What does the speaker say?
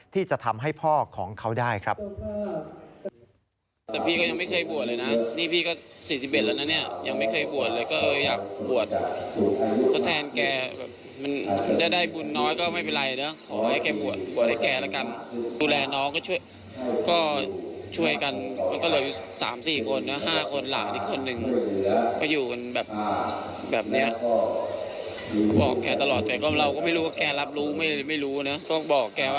ที่จะทำให้พ่อของเขาได้ครับ